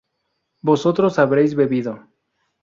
vosotros habréis bebido